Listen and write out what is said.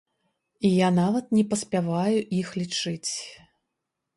Я нават не паспяваю іх лічыць.